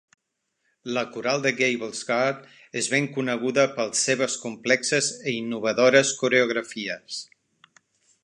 La coral de Gables Guard és ben coneguda pels seves complexes e innovadores coreografies.